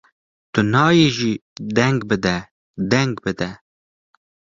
Tu nayê jî deng bide! deng bide!